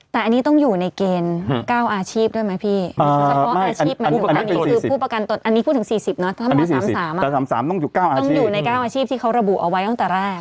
แต่อันนี้ต้องอยู่ในเกณฑ์๙อาชีพด้วยไหมพี่อันนี้พูดถึง๔๐เนาะถ้าไม่มา๓๓ต้องอยู่ใน๙อาชีพที่เขาระบุเอาไว้ตั้งแต่แรก